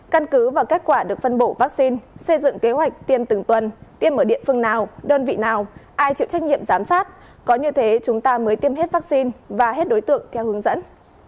căn cứ và kết quả được phân bổ vaccine xây dựng kế hoạch tiêm từng tuần tiêm ở địa phương nào đơn vị nào ai chịu trách nhiệm giám sát có như thế chúng ta mới tiêm hết vaccine và hết đối tượng theo hướng dẫn